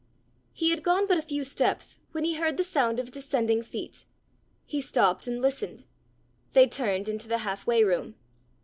He had gone but a few steps when he heard the sound of descending feet. He stopped and listened: they turned into the half way room.